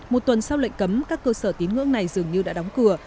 một tuần sau lệnh cấm các cơ sở tín ngưỡng này dường như đã đóng cửa